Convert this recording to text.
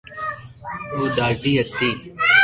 او ڌادي ھتي